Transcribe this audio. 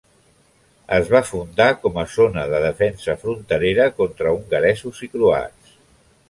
Es va fundar com a zona de defensa fronterera contra hongaresos i croats.